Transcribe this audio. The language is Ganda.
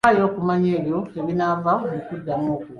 Faayo okumanya ebyo ebinaava mu kuddamu okwo.